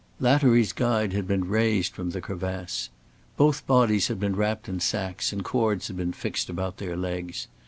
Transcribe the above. Lattery's guide had been raised from the crevasse. Both bodies had been wrapped in sacks and cords had been fixed about their legs.